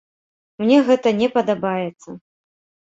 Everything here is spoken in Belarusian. Мне гэта не падабаецца.